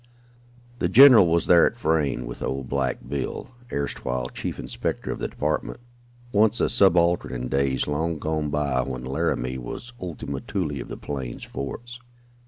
The general was there at Frayne, with old "Black Bill," erstwhile chief inspector of the department, once a subaltern in days long gone by when Laramie was "Ultima Thule" of the plains forts.